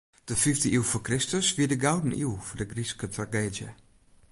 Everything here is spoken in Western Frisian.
De fiifde iuw foar Kristus wie de gouden iuw foar de Grykske trageedzje.